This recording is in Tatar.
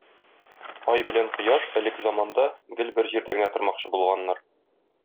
Ай белән Кояш элек заманда гел бер җирдә генә тормакчы булганнар.